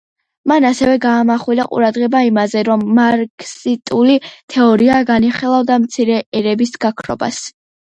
მან ასევე გაამახვილა ყურადღება იმაზე, რომ მარქსისტული თეორია განიხილავდა მცირე ერების გაქრობას.